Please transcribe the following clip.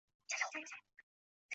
剑桥公爵夫人凯萨琳殿下。